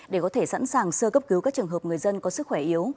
để có thể sẵn sàng sơ cấp cứu các trường hợp người dân có sức khỏe yếu